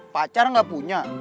pacar gak punya